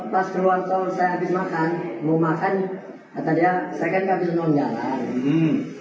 ya pas keluar tol saya habis makan mau makan kata dia saya kan gak bisa jalan jalan